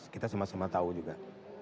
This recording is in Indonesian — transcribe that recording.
kita sama sama tahu juga